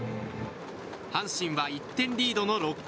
阪神は１点リードの６回。